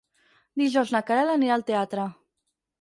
Dijous na Queralt anirà al teatre.